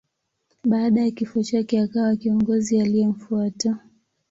Baada ya kifo chake akawa kiongozi aliyemfuata.